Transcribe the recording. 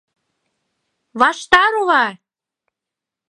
Ваштарова!